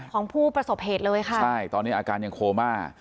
ของผู้ประสบเหตุเลยค่ะใช่ตอนนี้อาการยังโคม่า